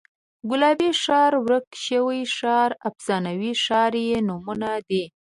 ګلابي ښار، ورک شوی ښار، افسانوي ښار یې نومونه دي.